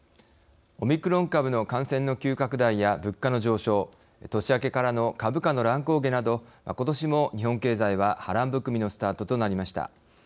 オミクロン株の感染の急拡大や物価の上昇年明けからの株価の乱高下などことしも日本経済は波乱含みのスタートとなりました。